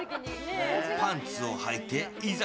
パンツをはいていざ